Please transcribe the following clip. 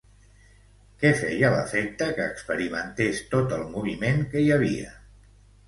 Què feia l'efecte que experimentés tot el moviment que hi havia?